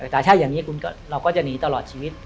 แต่ถ้าอย่างนี้เราก็จะหนีตลอดชีวิต